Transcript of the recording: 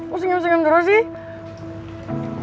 kok senyum senyum terus sih